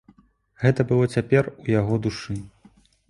Гэта было цяпер у яго душы.